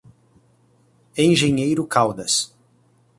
Engenheiro Caldas